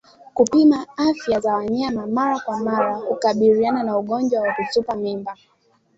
Kupima afya za wanyama mara kwa mara hukabiliana na ugonjwa wa kutupa mimba